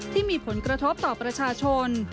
ที่มีผลกระทบต่อประชาชน